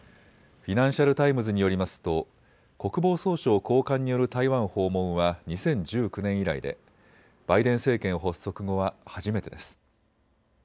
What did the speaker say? フィナンシャル・タイムズによりますと国防総省高官による台湾訪問は２０１９年以来でバイデン政権発足後は初めてです。